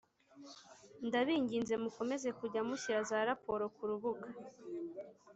Ndabinginze mukomeze kujya mushyira za raporo ku rubuga